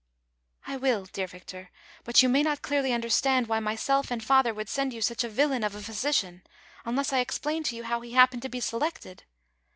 " I will, dear Victor, but you may not clearly understand why myself and father Avould send you sucli a villain of a physician, unless I explain to you how he happened to be selected.